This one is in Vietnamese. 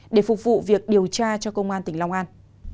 để phục vụ việc điều tra cho công an tỉnh long an